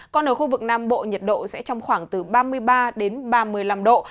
còn ở khu vực nam bộ nhiệt độ sẽ trong khoảng từ ba mươi ba đến ba mươi năm độ